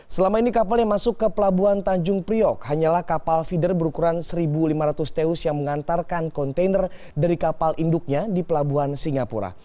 selama ini kapal yang masuk ke pelabuhan tanjung priok hanyalah kapal feeder berukuran satu lima ratus teus yang mengantarkan kontainer dari kapal induknya di pelabuhan singapura